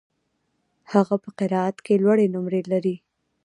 هغه په قرائت کي لوړي نمرې لري.